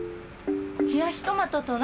冷やしトマトと何？